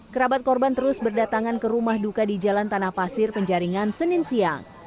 kerabat korban terus berdatangan ke rumah duka di jalan tanah pasir penjaringan senin siang